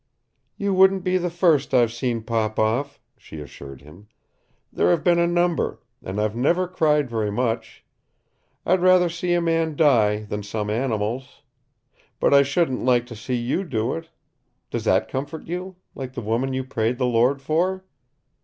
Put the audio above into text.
"You wouldn't be the first I've seen pop off," she assured him. "There have been a number, and I've never cried very much. I'd rather see a man die than some animals. But I shouldn't like to see YOU do it. Does that comfort you like the woman you prayed the Lord for?"